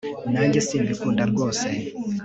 nanjye simbikunda rwose